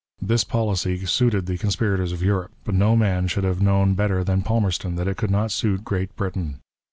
This policy suited the con spirators of Europe ; but no man should have known better than Palmerston that it could not suit Great Britain.